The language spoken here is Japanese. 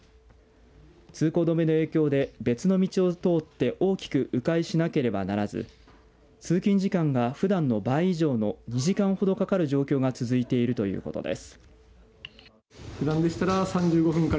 通行止めの影響で別の道を通って大きくう回しなけばならず通勤時間が、ふだんの倍以上の２時間ほどかかる状況が続いているということです。